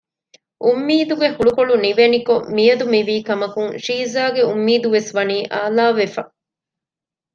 އުންމީދުގެ ހުޅުކޮޅު ނިވެނިކޮށް މިއަދު މިވީ ކަމަކުން ޝީޒާގެ އުންމީދުވެސް ވަނީ އާލާވެފަ